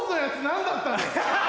何だったの？